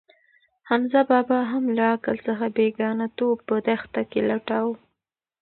حمزه بابا هم له عقل څخه بېګانه توب په دښته کې لټاوه.